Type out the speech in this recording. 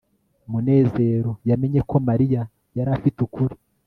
munezero yamenye ko mariya yari afite ukuri